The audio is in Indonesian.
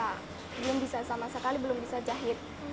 belum bisa sama sekali belum bisa jahit